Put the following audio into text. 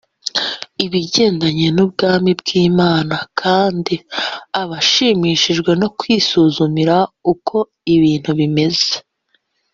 ibihereranye n ubwami bw imana kandi abashimishijwe no kwisuzumira uko ibintu bimeze